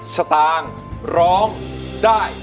สตางค์ร้องได้